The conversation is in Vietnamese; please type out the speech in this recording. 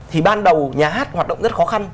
thì ban đầu nhà hát hoạt động rất khó khăn